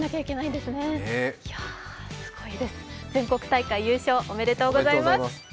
すごいです、全国大会、優勝、おめでとうございます。